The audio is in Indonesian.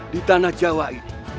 di tanah jawa ini